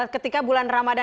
ketika bulan ramadhan